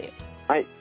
はい。